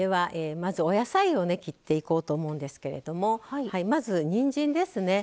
まず、お野菜を切っていこうと思うんですけれどもまず、にんじんですね。